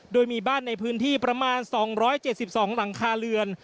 โดยมีบ้านในพื้นที่ประมาณ๒๗๒หลังคาเรือน